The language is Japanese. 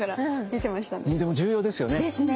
でも重要ですよね。ですね。